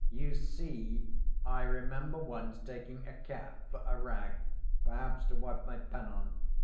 "You see, I remember once taking a cap for a rag, perhaps to wipe my pen on.